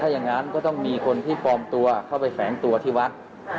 อย่างนั้นก็ต้องมีคนที่ปลอมตัวเข้าไปแฝงตัวที่วัด